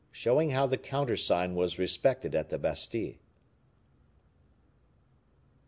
Showing How the Countersign Was Respected at the Bastile.